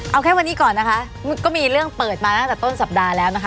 เอาแค่วันนี้ก่อนนะคะก็มีเรื่องเปิดมาตั้งแต่ต้นสัปดาห์แล้วนะคะ